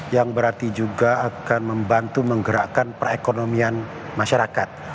yang berarti juga akan membantu menggerakkan perekonomian masyarakat